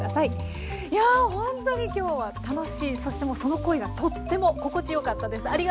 いやほんとに今日は楽しいそしてもうその声がとっても心地よかったです。